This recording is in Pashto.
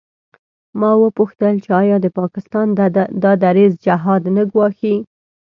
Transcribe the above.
ما وپوښتل چې آیا د پاکستان دا دریځ جهاد نه ګواښي.